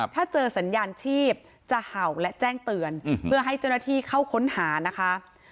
ถ้าเจอสัญญาณชีพจะเห่าและแจ้งเตือนเพื่อให้เจ้าหน้าที่เข้าค้นหานะคะ